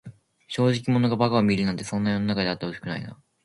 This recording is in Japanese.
正直者が馬鹿を見るなんて、そんな世の中であってほしくないな。